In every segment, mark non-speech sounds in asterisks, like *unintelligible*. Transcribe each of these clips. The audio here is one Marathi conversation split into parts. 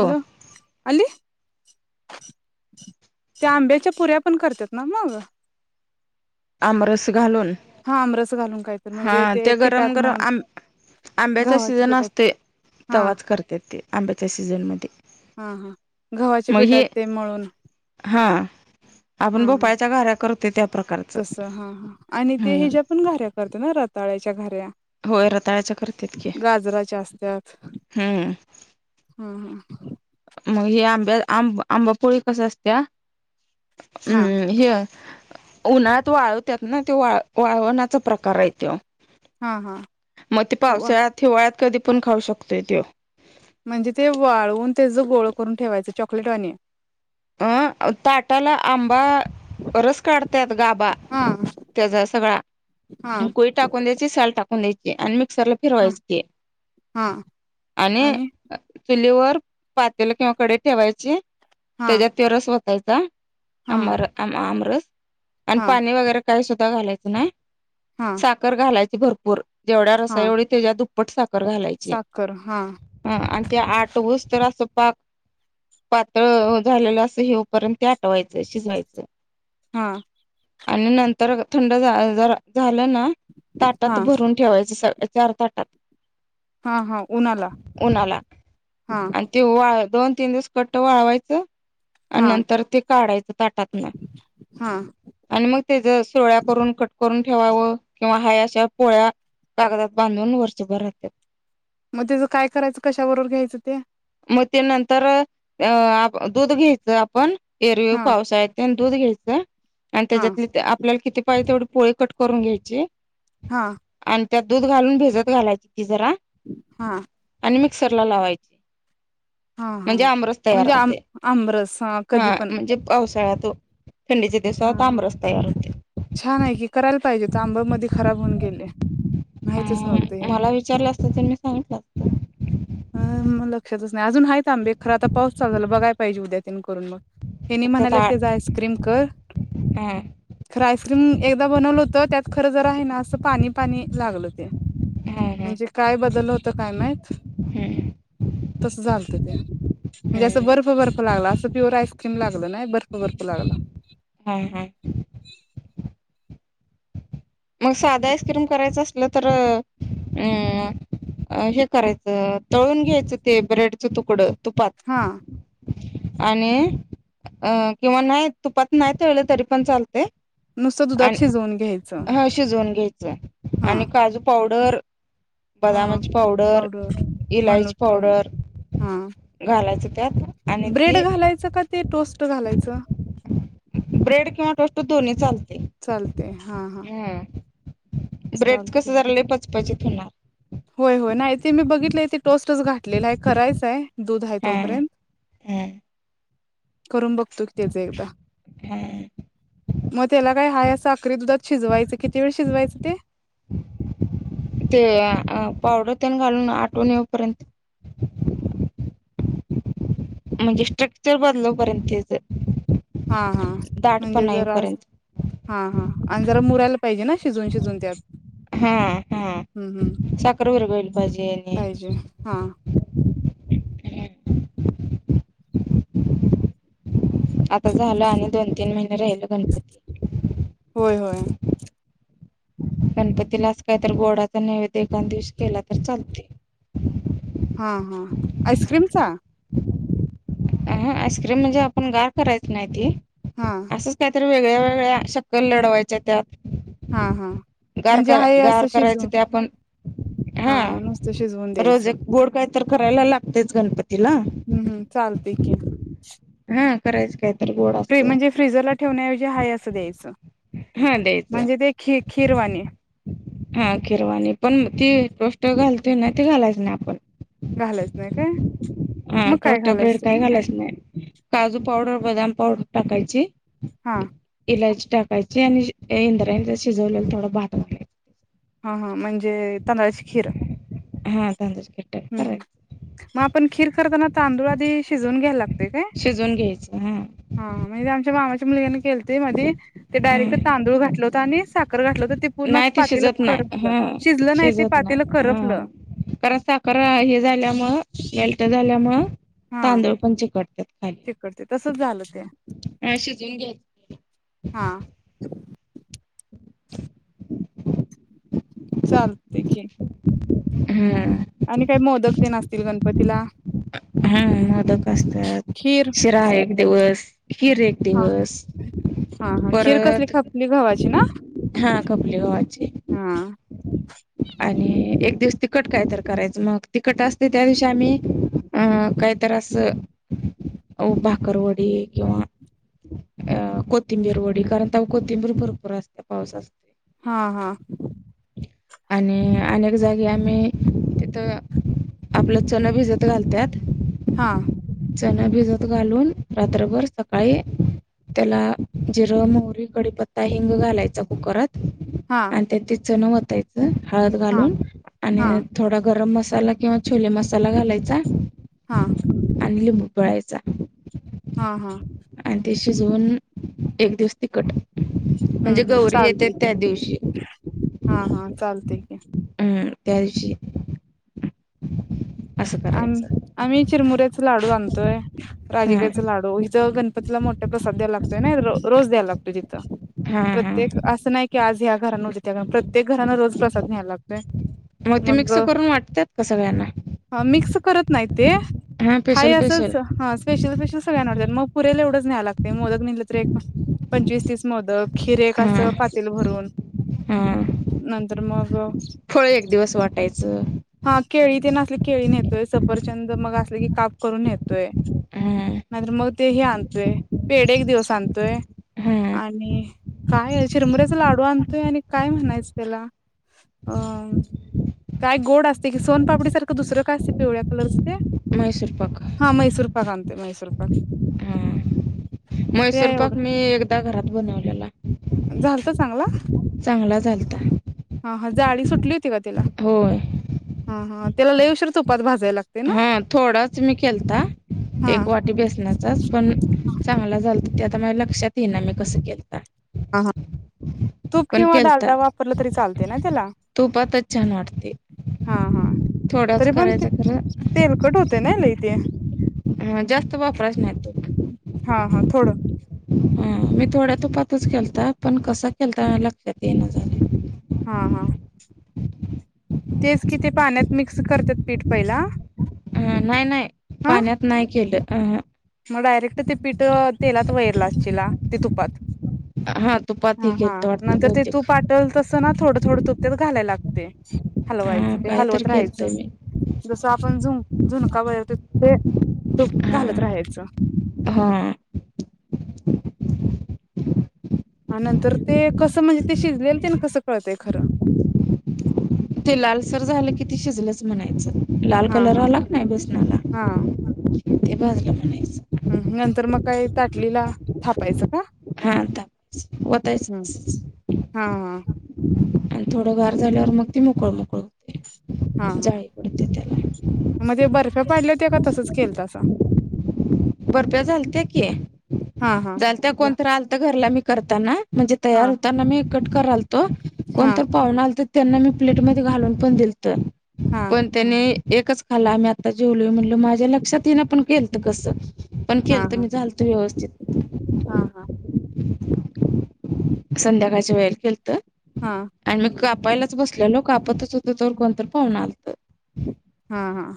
हॅलो! अली त्या आंब्याच्या पुऱ्या पण करतात. ना मग. *inaudible* आमरस घालून हा आमरस घालून काहीत हा म्हणजे ते गरम पिठात गरम म्हणून आम आंब्याचा गव्हाच्या सीझन पिठात असतोय, हा तेव्हाच करत्यात ते आंब्याच्या सीझनमध्ये. हा हा गव्हाच्या मग हे पिठात ते मळून हा आपण भोपाळ्याच्या घाय्रा करतोय, त्या प्रकार तस हा हा आणि ते ह्याच्या पण घाऱ्या करते, ना रताळ्याच्या घा्य्रा. होय रताळ्याच्या करतात की गाजराच्या असत्यात हम्म ह *unintelligible* मग हे आंब्या आं आंबा पोळी कस असत्या हा हम् ये उन्हात वाळवतात ना ते वा वाळवण्याचा प्रकार आहे. तो हा हा मग ते वा पावसाळ्यात हिवाळ्यात कधी पण खाऊ शकतोय, तो. म्हणजे ते वाळवून त्याच गोळ करून ठेवायचं. चॉकलेटवानी अं ताटाला आंबा रस काढतात. गाभा हा त्याचा सगळा हा कोई टाकून द्यायची, साल टाकून द्यायची. आणि मिक्सरला हा फिरवायचं ते हा आणि चुलीवर पातेला किंवा कडे ठेवायचे. हा त्याच्यात ते रस वतायचा. हा आमर आमरस आणि हा पाणी वगैरे काही सुद्धा घालायचं नाय. हा साखर घालायची भरपूर जेवढ्या रसा हा एवढी तेच्या दुप्पट साखर साखर घालायचं. साखर हा हा आण त्या आठवू स्तर अस पाक पातळ हो झालेलं असं हे पर्यंत ते आठवायचं शिजवायचं. हा. आणि नंतर थंड झालं ना हा ताटात भरून ठेवायचं सगळ. चार ताटात हा हा उन्हाला उन्हाला हा आणि ते वाळ दोन तीन दिवस कट वाळवायचं हा आणि नंतर ते काढायचं ताटातन हा आणि मग तेज सुरळ्या करून कट करून ठेवावं किंवा हाया *unintelligible* पोळ्या कागदात बांधून वर्षभर राहतात. मग त्याचं काय करायचं कशाबरोबर घ्यायचं ते मग ते नंतर अ दूध घ्यायचं आपण एरवे हा पावसाळ्यात दूध घ्यायचं आणि हा त्याच्यातले आपल्याला किती पाहिजे, तेवढी पोळी कट करून घ्यायची. हा. आणि त्यात दूध घालून भिजत घालायची ती जरा हा. मिक्सरला लावायची हा हा म्हणजे, आमरस तयार म्हणजे आम होतोय. आमरस हा कधी पण म्हणजे पावसाळ्या तो थंडीच्या हा दिवसात हा आमरस तयार होतोय. पाहिले त आंब मध्ये खराब होऊन गेले, अ माहितच नव्हते. *inaudible* मला विचारलं असतं तर मी सांगितलं असतं अं मग लक्षातच नाही अजून आहेत. आंबे खरं आता पाऊस चालू झाले, बघाय पाहिजे उद्या त *unintelligible* हेनी त्यात म्हणाल्यात आ तेज आईस्क्रीम कर. हा खरं आईस्क्रीम एकदा बनवलं होत. त्यात खरं जर आहे ना, असं पाणी पाणी लागलं. हा हा म्हणजे, काय बदल होतो काय माहित हम्म तसं झालंत. म्हणजे, असं हम्म बर्फ बर्फ लागला. असं प्युअर आईस्क्रीम लागलं नाही. बर्फ बर्फ लागला. हा हा. मग साधं आईस्क्रीम करायचं असलं तर अं. अ हे करायचं तळून घ्यायचं ते ब्रेडच तुकडं तुपात हा आणि अ किंवा नाही तुपात नाही तळलं तरी पण चालतय नुसतं दुधात शिजवून घ्यायचं शिजवून घ्यायचंय हा आणि काजू पावडर हा बदामाची पावडर इलायची पावडर हा घालायचं त्यात आणि ब्रेड ते घालायचं का ते टोस्ट घालायचं ब्रेड किंवा टोस्ट दोन्ही चालत चालतय हा हा! ब्रेडच चालते कसं जरा लय पचपचीत होणार होय, होय, नाही ते मी बघितलंय टोस्टच घातलेला आहे करायचं आहे दु दूध आहे हा तोपर्यंत हा करून बघतो कि त्याच एकदा हा मग त्याला काय हाया साखरी दुधात शिजवायचं किती वेळ शिजवायचं ते. ते आ पावडर त्यान घालून आटुन येऊपर्यंत म्हणजे स्ट्रक्चर बदलोपर्यंत हा हा म्हणजे जरा हा हा आणि जरा मुरायला पाहिजे ना शिजवून, शिजवून त्यात. हा, हा, हम्म हम्म साखर विरघळली पाहिजे आणि पाहिजे हा आता झालं आणि दोन तीन महिने राहिल गणपती. होय, होय. गणपतीला असं काय तर गोडाचा नैवेद एक-दोन दिवस केला तर चालते. हा हा आईस्क्रीमचा आहा आईस्क्रीम म्हणजे आपण गार करायच नाही ते हा! वेगळ्या, वेगळ्या, शक्कल लढवायच्या त्यात. हां हां. गार म्हणजे का आहे गार असं शिजवून करायचं ते आपण. हां हा हां नुसतं शिजवून रोज द्यायचं एक, गोड काय तर करायला लागतच गणपती. हूं चालतय की. हा करायच काय म्हणजे फ्रीजरला ठेवण्याऐवजी हाय असं द्यायचं. हा द्यायचं म्हणजे ते खि खिरवानी हा खिरवाणी पण ती टोष्ट घालते ना ते घालायच ना आपण घालयच नाही काय. हा मग काय टोस्ट घालायचं ब्रेड त्यात? काय घालायच न्हाय, काजू पावडर, बदाम पावडर, टाकायची. हां इलायची टाकायची आणि इंद्रायणी चा शिजवलेला थोडं भात हा हा म्हणजे तांदळाची खीर हा तांदळाची खीर टाईप हूं करायचं म आपण खीर करताना तांदूळ आधी शिजवून घ्यायला ला शिजवून घ्यायचं हा हा मंजे आमच्या मामाच्या यांनी केलत मध्ये ते हा डायरेक्ट तांदूळ घातल होत आणि सा तर घातलं तर ते पूर्ण नाही असं ते पातेलं शिजत नाही करपल हा शिजलं नाही ते शिजत पातेलं करपलं. करा हे झाल्यामुळ मेल्ट झाल्यामुळ. हा तांदुळ पण चिकटतात खाली. तिकडते तसच झालं ते अ शिजवून हा घ्यायचं *unintelligible* चालतंय की. हं! आणि काही मोदक ते असतील गणपतीला. हा मोदक असतात खीर शिरा एक दिवस खीर एक हा दिवस हा हा खीर कसली परत खपली गव्हाची ना हा खपली गव्हाची *inaudible* आणि एक दिवस तिखट काय तर करायचं मग तिखट असते त्या दिवशी आम्ही अं काहीतरी असं भाकरवडी किंवा अ कोथिंबीर वडी कारण त्यात कोथिंबीर भरपूर असते पाऊस असते हा हा आणि अनेक जागी आम्ही तिथं आपलं चण भिजत घालतात हा चना भिजत घालून रात्रभर सकाळी त्याला जिरं मोहरी कडीपत्ता हिंग घालायचा कुकरात हा आणि त्या त चण हळद हा घालून आणि हा थोडा गरम मसा मसाला किंवा छोले मसाला घालायचा हा आणनले मूठभयचा हा हा आणि ते शिजवून एक दिवस तिखट हम्म म्हणजे हम्म गौरी येते चालते की त्या दिवशी हा हा चालते की त्यालची आम आम्ही चिरमुऱ्याचे लाडू आणतोय हा राजग्याचा लाडू इिथं गणपतीला मोठ्या प स्या लागतव ना रोज दे लातते हा हा प्रत्येक असं नाही की आज ह्या घरा न होती त्या प्रत्येक घरां रोज प्रसाद न्यायला लागतो मग ते मिक्स करून वाटतेात कसगयाना मिक्स करत नाही हा अस स्पेशल स्पेशल स्पेशल सगळ्यांना मग पुरेला एवढच न्यायला लागत मोदक निेहिलं तर एक पंचवीस तीस मोदक खिरेक हा असं पातील भरून हा नंतर मग फळ एक दिवस वाटायचं हा केळी ते नसली केळी नेतोय सफरचंद मग असले की काप करून नेतोय हा नाहींतर मग तेही आणतोय पेड एक दिवस आणतोय हा आणि काय चिरमुऱ्याचा लाडू आणतोय आणि काय म्हणायचं त्याला अ काय गोड असते कि सोनपापडी सारखं दुसरं काय असत पिवळ्या कलर मैसूर पाक हा मैसूर पाक आणते मैसूर पाक ते म्हैसूर पाक एवढं मी एकदा घरात बनवलेला झालत चांगला चांगला चालता हो हा थोडाच मी केलता हा एक वाटी बेसण्याचाच पण चांगला झाल ते आता माझ लक्षात येना मी कसं केता ह तूप किंवा केलता डालदा वापरलं तरी चालते ना ला तुपातच छान वाटते हा हा थोडाच तरी पण ते करायचा तेल कटवते ना ल इथ हा जास्त वापराच नाही त हा हा थोडं हा मी थोड्या तुपातच खेळता पण कसा खेळता लक्षात ये ना झाले हा हा तेच कि ते पाण्यात मिक्स करतात पीठ पहिला हा नाही नाही हा पाण्यात नाही केलं अ मग डायरेक्ट ते पीठ तेलात वैर लाचीला ते तुपात हा तुपात हे हा हा केलतं वाटतं नंतर ते तू बहुतेक आटल तस ना थोडं थोडं तुप त्यात घालायला लागत ते हा हलवायचं ते काय तर हलवत राहायचं केलतंय मी जसं आपण ज जुनका वर त ते तूप हा घालत राहायचं हा. आणि नंतर ते कसं म्हणजे ते शिजलेल ते ना कसं कळतय. ते लालसर झालं किती शिजलंच म्हणायचं. लाल हा कलर हा आला क नाही बेसनाला हा ते भाजलं. म्हणायचं हम्म नंतर मग काय ताटलीला थापायचं का? हा ता हम्म वतायचच. हा हा आणि थोडं वार झाल्यावर मग ती मोकळ मोकळ हा होतय. हा जाळी पडते त्याला. ख बर्फ्या *unintelligible* पाडलं ते का तसंच केलत सां बर्फ्या झाल ते की. हा हा झाल त्या ब- कोणत आल तर घरला मी करताना म्हणजे हा तयार होताना मी कट करलतो हा कोणत पाहन आल तर त्यांना मी प्लेट मध्ये घालून पण दिल तर हा पण त्यांनी. एकच खाला आम्ही आता जेवल म्हणलो माझ्या लक्षात येन पण ख केलत कस. पण हा केलत हा मी झालतो व्यवस्थित. हा हा संध्याकाळच्या वेळेल केलत. हा आणि मग कापायलाच बसलेलो कापतच होत तरवर कोणतर पाहून आलत. हा हा.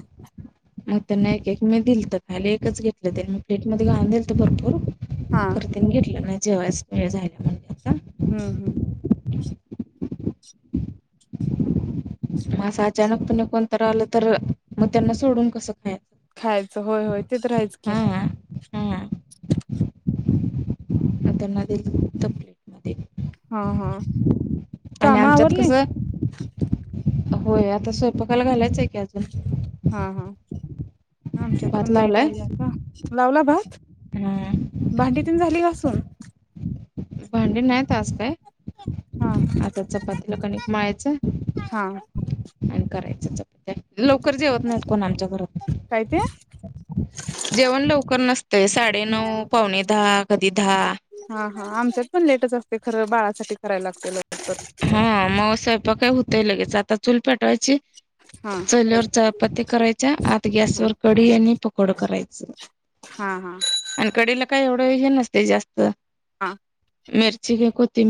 आण त्यांना मी एक एक मी दीलत खाली एकच घेतलं ते मी प्लेट मध्ये *unintelligible* घाून दिल तर भरपूर हा करते घेतलं नाही जेव्हास *unintelligible* वेळ झाला म्हणजे हम्म हम्म. मा असं अचानक *unintelligible* पुणे कोणत आलं तर मग त्यांना सोडून कसं खाय खायचं होय होय ते तर राहायचं की. हां हां त्यांना तपले म *unintelligible* हा हा कामा आमच्यात आवरली? कसं होय आता स्वयंपाकायला घालायचं आहे की अजून. हा हा आमच्यात भात पण लाईट लावलाय आलीता लावला भात? हां भांडी तन झाली घासून? भांडी नाहीत आज काय. हा आता चपातीला कणिक माळाचं हा आणि कराय लवकर जेवत नाहीत कोण आमच्या घरात. काय ते जेवण लवकर नसतय साडे नऊ पावणे दहा कधी दहा. हा हा आमच्याच पण लेटच असते खरं बाळासाठी करायला लागते लवकर. हा म काय होतंय स्वयंपाक आता चुल पेटवायची हा चुलीवर चपातती करायच्या आत गॅसवरर कढी आणि पकोड करायच. हा. हां आणि कढीला काय एवढं हे नसते जास्त. हा. मिरची घे कोतीम